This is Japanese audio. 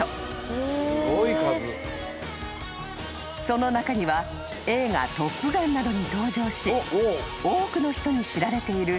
［その中には映画『トップガン』などに登場し多くの人に知られているＦ１４